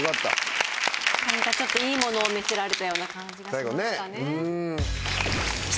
何かちょっといいものを見せられたような感じがしましたね